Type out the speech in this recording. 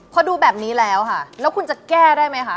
พอดูแบบนี้แล้วค่ะแล้วคุณจะแก้ได้ไหมคะ